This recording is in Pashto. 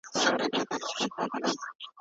نن د جانان په ښار کي ګډي دي پردۍ سندري.